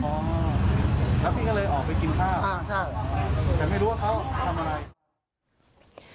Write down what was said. อ๋อแล้วพี่ก็เลยออกไปกินข้าวอ่าใช่แต่ไม่รู้ว่าเขาทำอะไร